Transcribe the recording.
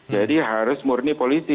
jadi harus murni polisi